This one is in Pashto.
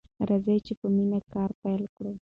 راځئ چې په مینه کار پیل کړو.